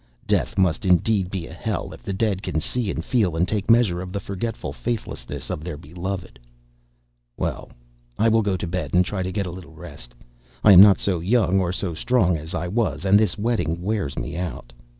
Death must indeed be a hell if the dead can see and feel and take measure of the forgetful faithlessness of their beloved. Well, I will go to bed and try to get a little rest. I am not so young or so strong as I was, and this wedding wears me out.